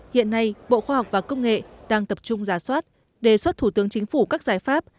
hiện nay bộ khoa học và công nghệ đang tập trung giả soát đề xuất thủ tướng chính phủ các giải pháp